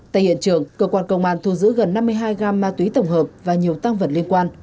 tại hiện trường cơ quan công an thu giữ gần năm mươi hai gam ma túy tổng hợp và nhiều tăng vật liên quan